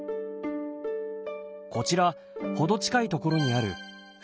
こちら程近い所にある福浦港。